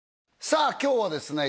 さあ今日はですね